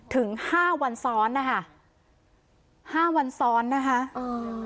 ถึงห้าวันซ้อนนะคะห้าวันซ้อนนะคะเออ